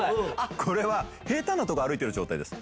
これは平坦なとこを歩いてる状態です。